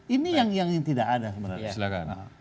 ini yang tidak ada sebenarnya